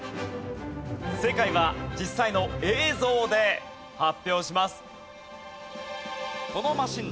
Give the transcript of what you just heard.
正解は実際の映像で発表します。